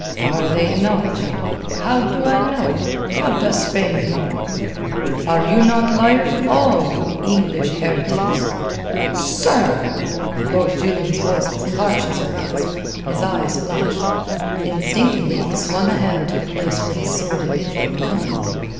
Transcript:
"Are they not? How do I know? How does Spain know? Are you not liars all, you English heretics?" "Sir!" Lord Julian's voice was harsh as a rasp, his eyes flashed. Instinctively he swung a hand to the place where his sword habitually hung.